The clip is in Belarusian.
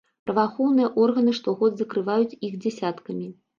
Праваахоўныя органы штогод закрываюць іх дзясяткамі.